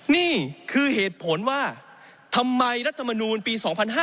นี่คือเหตุผลว่าทำไมรัฐมนูลปี๒๕๕๙